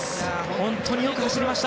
本当によく走りました。